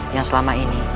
yang selama ini